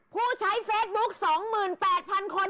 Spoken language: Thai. ผู้ใช้เฟซบุ๊ค๒๘๐๐๐คน